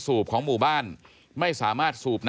ทางนิติกรหมู่บ้านแจ้งกับสำนักงานเขตประเวท